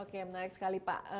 oke menarik sekali pak